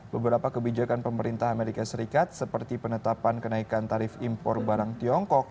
beberapa kebijakan pemerintah amerika serikat seperti penetapan kenaikan tarif impor barang tiongkok